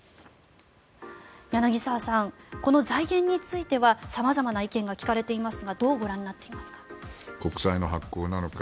柳澤さん、この財源については様々な意見が聞かれていますがどうご覧になっていますか。